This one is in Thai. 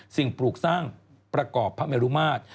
สิ่งปลูกสร้างประกอบพระเมรุมาตร